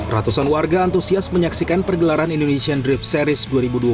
ratusan warga antusias menyaksikan pergelaran indonesian drift series dua ribu dua puluh